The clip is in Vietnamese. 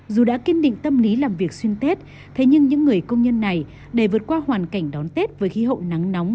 dù đã kiên định tâm lý làm việc xuyên tết thế nhưng những người công nhân này để vượt qua hoàn cảnh đón tết với khí hậu nắng nóng